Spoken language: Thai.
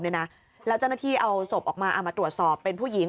แล้วเจ้าหน้าที่เอาศพออกมาเอามาตรวจสอบเป็นผู้หญิง